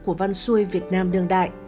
của văn xuôi việt nam đường đại